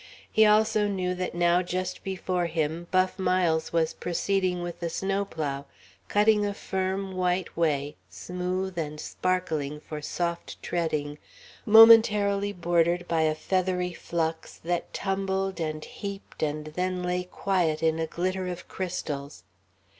He also knew that now, just before him, Buff Miles was proceeding with the snowplow, cutting a firm, white way, smooth and sparkling for soft treading, momentarily bordered by a feathery flux, that tumbled and heaped and then lay quiet in a glitter of crystals.